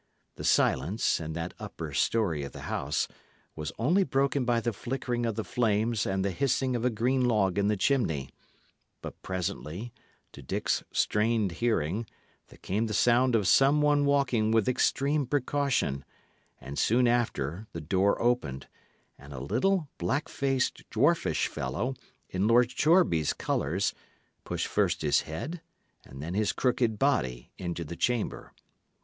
The silence, in that upper storey of the house, was only broken by the flickering of the flames and the hissing of a green log in the chimney; but presently, to Dick's strained hearing, there came the sound of some one walking with extreme precaution; and soon after the door opened, and a little black faced, dwarfish fellow, in Lord Shoreby's colours, pushed first his head, and then his crooked body, into the chamber.